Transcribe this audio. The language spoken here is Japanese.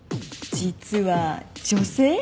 実は女性？